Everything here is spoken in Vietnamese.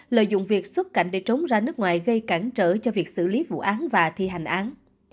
lợi dụng việc xuất cảnh để trốn ra nước ngoài gây cản trở cho việc xử lý vụ án và thi hành án